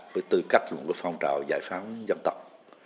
với tư cách dùng của phong trào giải phóng dân tộc